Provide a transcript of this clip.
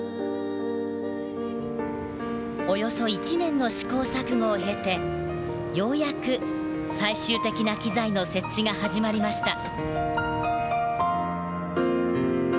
およそ１年の試行錯誤を経てようやく最終的な機材の設置が始まりました。